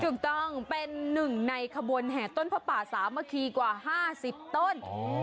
ถูกต้องเป็นหนึ่งในขบวนแห่ต้นพระป่าสามัคคีกว่า๕๐ต้น